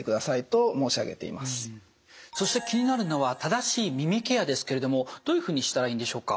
そして気になるのは正しい耳ケアですけれどもどういうふうにしたらいいんでしょうか？